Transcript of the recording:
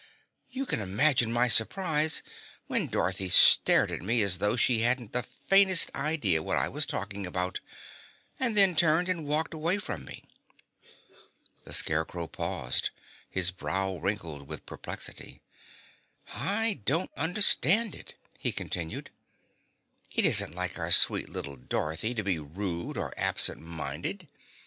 You can imagine my surprise when Dorothy stared at me as though she hadn't the faintest idea what I was talking about, and then turned and walked away from me." The Scarecrow paused, his brow wrinkled with perplexity. "I don't understand it," he continued. "It isn't like our sweet little Dorothy to be rude or absent minded.